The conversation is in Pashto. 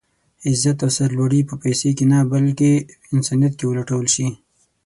عزت او سر لوړي په پيسه کې نه بلکې په انسانيت کې ولټول شي.